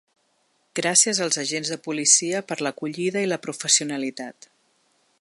Gràcies als agents de policia per l’acollida i la professionalitat.